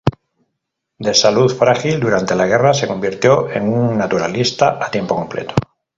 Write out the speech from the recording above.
De salud frágil, durante la guerra, se convirtió en un naturalista a tiempo completo.